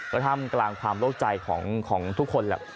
ก็ท่ามกลางความโลกใจของทุกคนแหละ